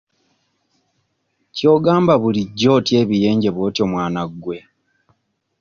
Ky'ogamba bulijjo otya ebiyenje bw'otyo mwana gwe?